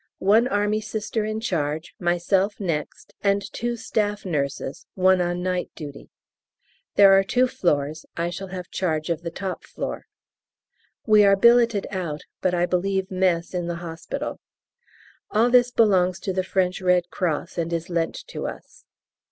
One Army Sister in charge, myself next, and two staff nurses one on night duty. There are two floors; I shall have charge of the top floor. We are billeted out, but I believe mess in the hospital. All this belongs to the French Red Cross, and is lent to us.